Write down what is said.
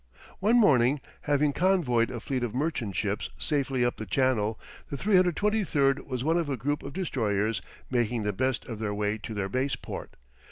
One morning, having convoyed a fleet of merchant ships safely up the channel, the 323 was one of a group of destroyers making the best of their way to their base port.